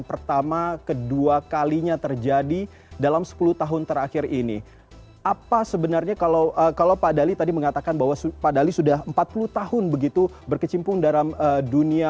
prestasi pssi yang sedang berada